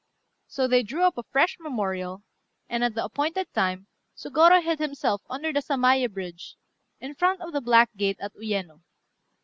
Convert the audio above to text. So they drew up a fresh memorial, and at the appointed time Sôgorô hid himself under the Sammayé Bridge, in front of the black gate at Uyéno.